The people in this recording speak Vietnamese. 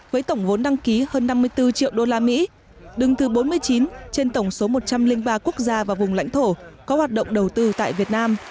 với tổng vốn đăng ký hơn năm mươi bốn triệu usd đứng thứ bốn mươi chín trên tổng số một trăm linh ba quốc gia và vùng lãnh thổ có hoạt động đầu tư tại việt nam